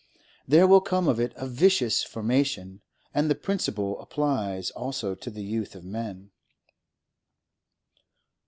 There will come of it a vicious formation, and the principle applies also to the youth of men.